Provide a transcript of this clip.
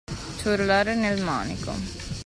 Ciurlare nel manico.